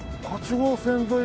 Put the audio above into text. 号線沿い